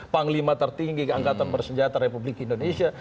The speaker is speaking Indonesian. penglima tertinggi angkatan bersenjata republik indonesia